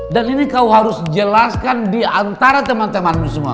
dan ini kau harus jelaskan di antara teman temanmu semua